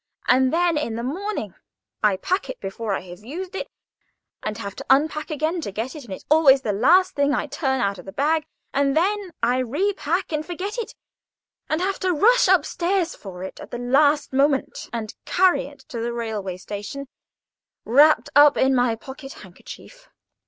And, in the morning, I pack it before I have used it, and have to unpack again to get it, and it is always the last thing I turn out of the bag; and then I repack and forget it, and have to rush upstairs for it at the last moment and carry it to the railway station, wrapped up in my pocket handkerchief.